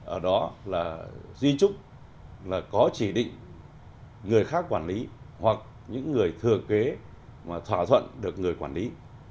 ở đó là duy trúc là có chỉ định người khác quản lý hoặc những người thừa kế mà thỏa thuận được người quản lý